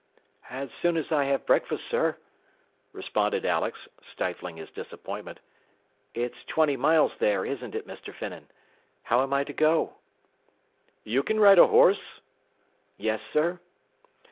"As soon as I have breakfast, sir," responded Alex, stifling his disappointment. "It's twenty miles there, isn't it, Mr. Finnan? How am I to go?" "You can ride a horse?" "Yes, sir."